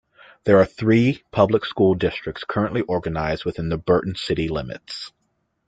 There are three public school districts currently organized within the Burton city limits.